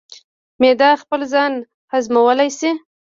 معده خپل ځان هضمولی شي.